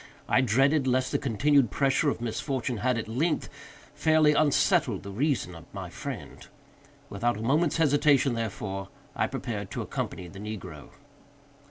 I dreaded lest the continued pressure of misfortune had, at length, fairly unsettled the reason of my friend. Without a moment's hesitation, therefore, I prepared to accompany the negro.